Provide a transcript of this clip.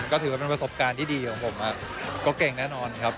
ก็ถือว่าเป็นประสบการณ์ที่ดีของผมก็เก่งแน่นอนครับ